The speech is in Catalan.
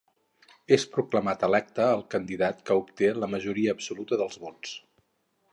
És proclamat electe el candidat que obté la majoria absoluta dels vots.